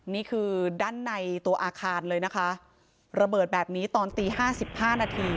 นี่คือด้านในตัวอาคารเลยนะคะระเบิดแบบนี้ตอนตีห้าสิบห้านาที